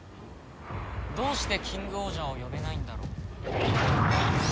どうしてキングオージャーを呼べないんだろう？